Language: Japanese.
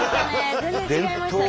全然違いましたね。